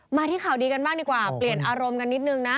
มาที่ข่าวดีกันบ้างดีกว่าเปลี่ยนอารมณ์กันนิดนึงนะ